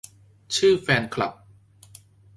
ชื่อแฟนคลับ